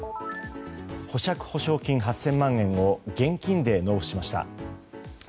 保釈保証金８０００万円を現金で納付しました。